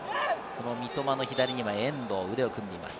三笘の左には遠藤、腕を組んでいます。